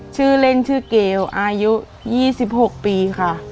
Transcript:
ชื่อเล่นชื่อเกลอายุ๒๖ปีค่ะ